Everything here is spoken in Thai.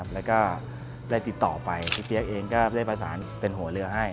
แล้วก็ได้ติดต่อไปพี่เปี๊ยกเองก็ได้ประสานเป็นหัวเรือให้